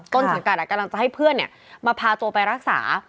ต้นสังกัดกำลังจะให้เพื่อนมาพาตัวไปรักษา